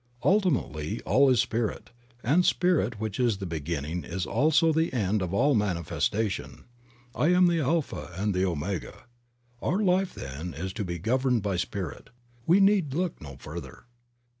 Ultimately all is Spirit, and Spirit which is the beginning is also the end of all manifestation. "I am the Alpha and the Omega." Our life, then, is to be governed by Spirit. We need look no further.